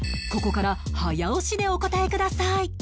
ここから早押しでお答えください